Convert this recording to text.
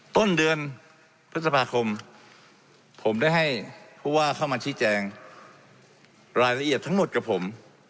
ต้นเดือนพฤษภาคมผมได้ให้ผู้ว่าเข้ามาชี้แจงรายละเอียดทั้งหมดกับผม